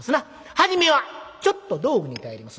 初めはちょっと道具に頼ります。